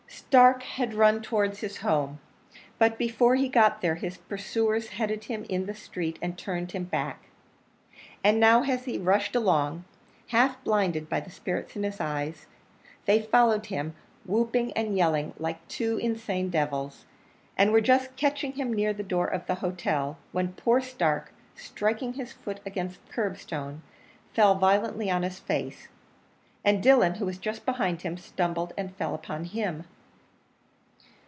Stark had run towards his home, but before he got there his pursuers headed him in the street and turned him back, and now as he rushed along, half blinded by the spirits in his eyes, they followed him, whooping and yelling like two insane devils, and were just catching him near the door of the hotel, when poor Stark, striking his foot against the curb stone, fell violently on his face, and Dillon, who was just behind him, stumbled and fell upon him.